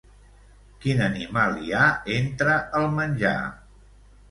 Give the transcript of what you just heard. Quin animal hi ha entre el menjar?